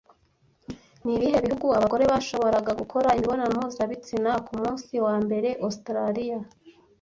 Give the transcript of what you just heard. Ni ibihe bihugu abagore bashobora gukora imibonano mpuzabitsina ku munsi wambere Australiya %